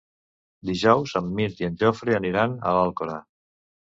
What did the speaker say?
Dijous en Mirt i en Jofre aniran a l'Alcora.